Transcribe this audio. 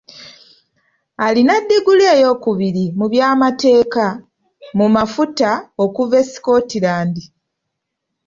Alina ddiguli eyookubiri mu by’amateeka mu mafuta okuva e Scotland.